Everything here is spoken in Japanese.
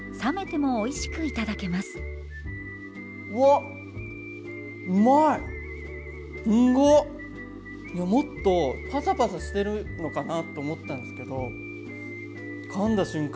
もっとパサパサしてるのかなと思ってたんですけどかんだ瞬間